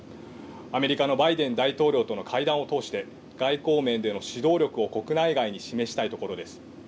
アメリカのバイデン大統領との会談を通して、外交面での指導力を国内外に示したいところです。